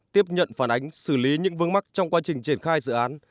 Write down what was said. tiếp nhận phản ánh xử lý những vương mắc trong quá trình triển khai dự án